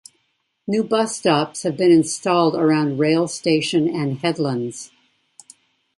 New bus stops have been installed around rail station and headlands.